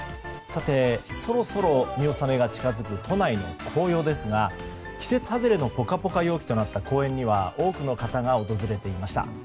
さて、そろそろ見納めが近づく都内の紅葉ですが季節外れのポカポカ陽気となった公園には多くの方が訪れていました。